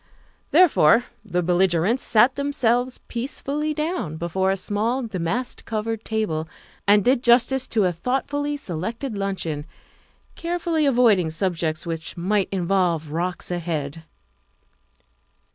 Therefore the belligerents sat them selves peacefully down before a small, damask covered table and did justice to a thoughtfully selected luncheon, carefully avoiding subjects which might involve rocks ahead.